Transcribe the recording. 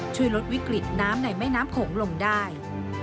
ช่วยลดวิกฤตน้ำในแม่น้ำโขงลงได้